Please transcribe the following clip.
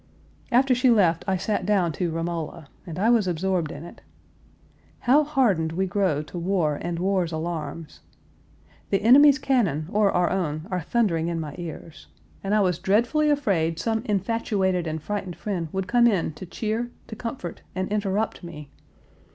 After she left I sat down to Romola, and I was absorbed in it. How hardened we grow to war and war's alarms! The enemy's cannon or our own are thundering in my ears, and I was dreadfully afraid some infatuated and frightened friend would come in to cheer, to comfort, and interrupt me.